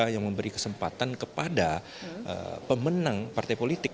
yang memberi kesempatan kepada pemenang partai politik